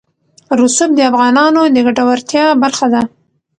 رسوب د افغانانو د ګټورتیا برخه ده.